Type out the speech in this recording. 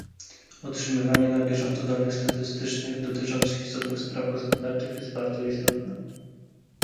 Otrzymywanie na bieżąco danych statystycznych dotyczących istotnych spraw gospodarczych jest bardzo istotne